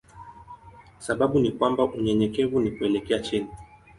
Sababu ni kwamba unyenyekevu ni kuelekea chini.